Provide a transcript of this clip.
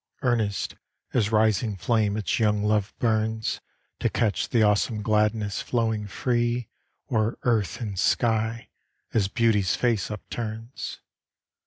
Earnest as rising flame its young love burns To catch the awesome gladness flowing free O'er earth and sky as Beauty's face upturns.